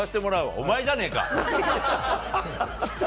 お前じゃねえか！